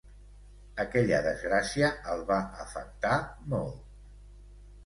Aquella desgràcia el va afectar molt.